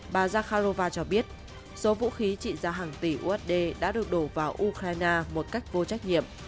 bà zakharova cho biết số vũ khí trị giá hàng tỷ usd đã được đổ vào ukraine một cách vô trách nhiệm